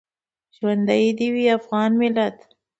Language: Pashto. ژوندی دې وي افغان ملت